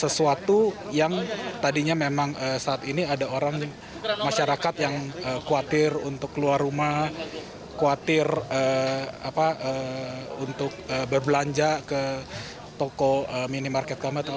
sesuatu yang tadinya memang saat ini ada orang masyarakat yang khawatir untuk keluar rumah khawatir untuk berbelanja ke toko minimarket